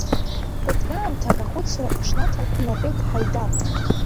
Ԥыҭраамҭак ахәыцра иҽнаҭан днатәеит Ҳаидар.